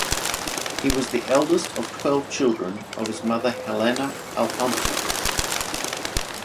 He was the eldest of twelve children of his mother Helena Alfonso.